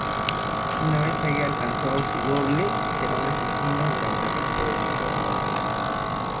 Una vez haya alcanzado su doble, será un "asesino" durante el resto del juego.